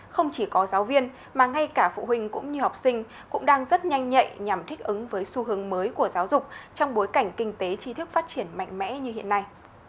không chỉ có giáo viên mà ngay cả phụ huynh cũng như học sinh cũng đang rất nhanh nhạy nhằm thích ứng với xu hướng mới của giáo dục trong bối cảnh kinh tế tri thức phát triển mạnh mẽ như hiện nay